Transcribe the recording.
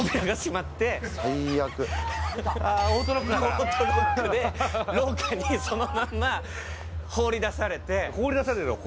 オートロックで、廊下にそのまんま放り出されて。